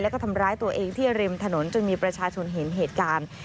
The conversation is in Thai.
แล้วก็ทำร้ายตัวเองที่ริมถนนจนมีประชาชนเห็นเหตุการณ์